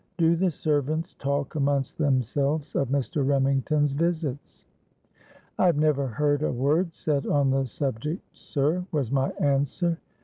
Do the servants talk amongst themselves of Mr. Remington's visits?'—'I have never heard a word said on the subject, sir,' was my answer.